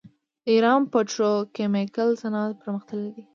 د ایران پتروکیمیکل صنعت پرمختللی دی.